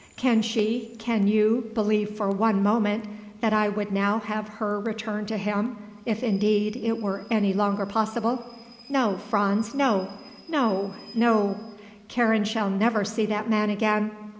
Can she can you, believe for one moment that I would now have her return to him, if, indeed, it were any longer possible? No, Franz; no; no; no; Karen shall never see that man again.